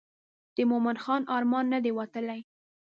د مومن خان ارمان نه دی وتلی.